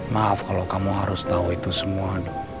maaf kalau kamu harus tahu itu semua